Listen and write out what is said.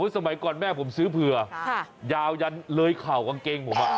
สมัยก่อนแม่ผมซื้อเผื่อยาวยันเลยเข่ากางเกงผม